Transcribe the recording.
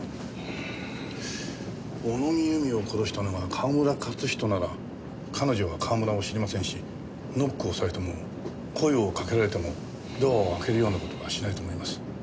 小野木由美を殺したのが川村活人なら彼女は川村を知りませんしノックをされても声をかけられてもドアを開けるような事はしないと思います。